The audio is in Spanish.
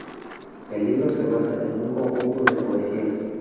El libro se basa en un conjunto de poesías.